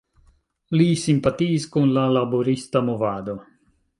Li simpatiis kun la laborista movado.